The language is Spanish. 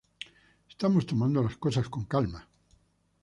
Estamos tomando las cosas con calma.